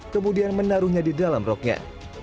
kemudian menaruhnya di dalam roknya